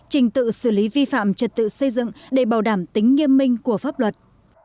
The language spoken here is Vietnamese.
trình tự xử lý vi phạm trật tự xây dựng để bảo đảm tính nghiêm minh của pháp luật